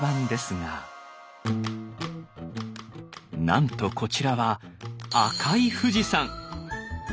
なんとこちらは赤い富士山。